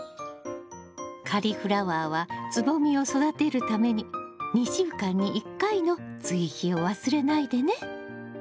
カリフラワーはつぼみを育てるために２週間に１回の追肥を忘れないでね！